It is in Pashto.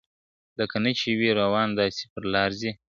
لکه نه چي وي روان داسي پر لار ځي ,